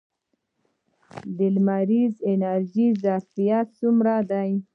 د لمریزې انرژۍ ظرفیت څومره دی؟